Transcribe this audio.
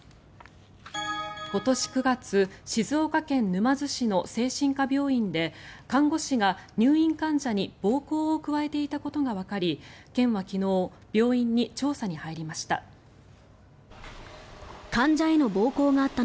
今年９月、静岡県沼津市の精神科病院で看護師が入院患者に暴行を加えていたことがわかり県は昨日病院に調査に入りました。